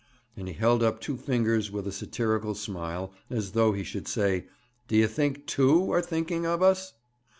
And he held up two fingers with a satirical smile, as though he should say, 'D'ye think two are thinking of us?'